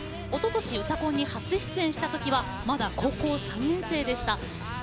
おととし「うたコン」に初出演したときはまだ高校３年生でした。